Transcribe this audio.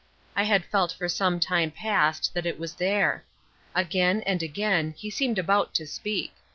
I had felt for some time past that it was there. Again and again, he seemed about to speak.